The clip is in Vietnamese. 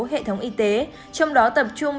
hệ thống y tế trong đó tập trung